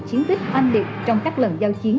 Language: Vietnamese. chiến tích oanh liệt trong các lần giao chiến